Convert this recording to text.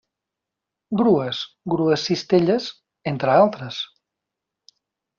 Grues, grues cistelles, entre altres.